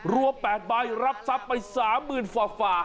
รวม๘ใบรับทรัพย์ไป๓๐๐๐ฝ่า